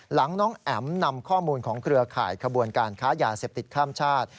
หลังน้องแอ๋มนำข้อมูลของเครือข่ายขบวนการค้ายาเสพติดข้ามชาติ